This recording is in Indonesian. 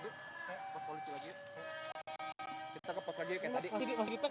kita ke pos lagi kayak tadi